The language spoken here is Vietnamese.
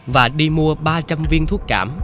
và đi mua ba trăm linh viên thuốc cảm